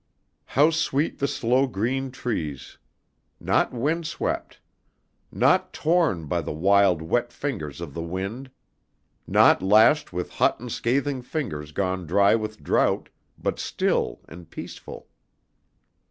How sweet the slow green trees! Not windswept! Not torn by the wild, wet fingers of the wind, not lashed with hot and scathing fingers gone dry with drought, but still and peaceful.